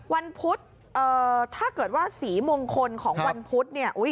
วันพุธถ้าเกิดว่าสีมงคลของวันพุธเนี่ย